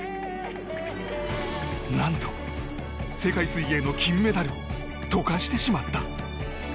何と、世界水泳の金メダルを溶かしてしまった。